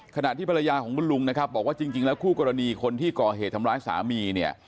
ขณะที่ภรรยาของลุงบอกว่าจริงแล้วคู่กรณีคนที่ก่อเหตุทำร้ายสามี